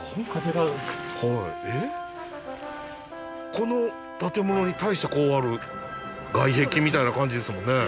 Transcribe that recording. この建物に対してこうある外壁みたいな感じですもんね。